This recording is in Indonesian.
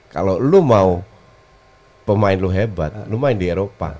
kalau lo mau pemain lo hebat lo main di eropa